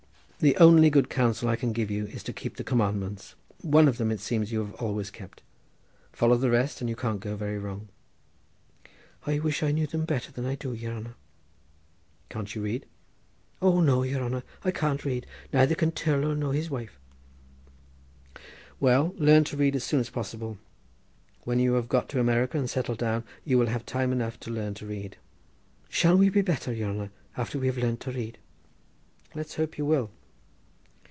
"The only good counsel I can give you is to keep the commandments; one of them it seems you have always kept. Follow the rest and you can't go very wrong." "I wish I knew them better than I do, yere hanner." "Can't you read?" "O no, yere hanner, I can't read, neither can Tourlough nor his wife." "Well, learn to read as soon as possible. When you have got to America and settled down you will have time enough to learn to read." "Shall we be better, yere hanner, after we have learnt to read?" "Let's hope you will."